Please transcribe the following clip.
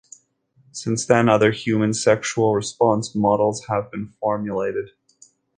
Since then, other human sexual response models have been formulated.